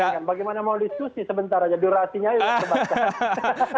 saya mau bayangkan bagaimana mau diskusi sebentar aja durasi nya itu terbatas